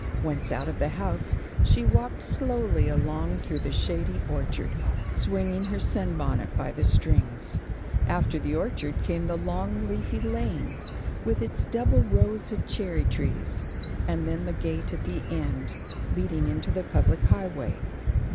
Once out of the house, she walked slowly along through the shady orchard, swinging her sunbonnet by the strings. After the orchard came the long leafy lane, with its double rows of cherry trees, and then the gate at the end, leading into the public highway.